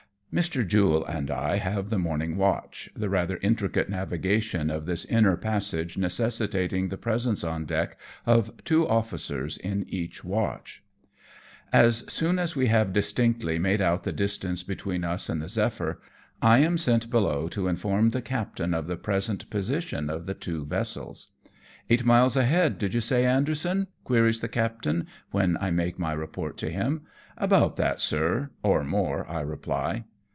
Mr. Jule and I have the morning watch, the rather intricate navigation of this inner passage necessitating the presence on deck of two ofiBcers in each watch. As soon as we have distinctly inade out the distance between us and the Zephyr, I am sent below to inform the captain of the present position of the two vessels. " Eight miles ahead, did you say, Anderson ?" queries the captain, when I make my report to him. " About that, sir, or more," I reply.